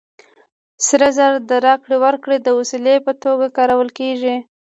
سره زر د راکړې ورکړې د وسیلې په توګه کارول کېږي